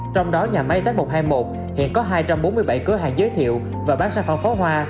trong đó nhà máy zak một trăm hai mươi một hiện có hai trăm bốn mươi bảy cửa hàng giới thiệu và bán sản phẩm pháo hoa